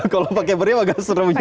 kalau pakai meriam agak serem juga ya